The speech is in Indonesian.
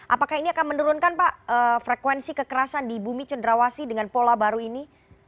apakah ini akan menurunkan pak frekuensi kekerasan di bumi cenderawasi dengan pola baru ini